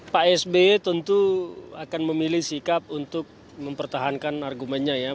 pak sby tentu akan memilih sikap untuk mempertahankan argumennya ya